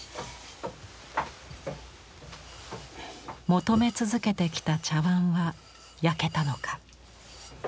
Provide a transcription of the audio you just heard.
求め続けてきた茶碗は焼けたのか。